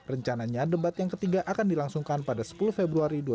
rencananya debat yang ketiga akan dilangsungkan pada sepuluh februari dua ribu dua puluh